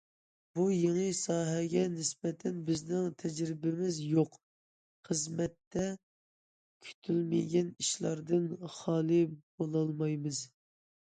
بۇ يېڭى ساھەگە نىسبەتەن بىزنىڭ تەجرىبىمىز يوق، خىزمەتتە كۈتۈلمىگەن ئىشلاردىن خالىي بولالمايمىز!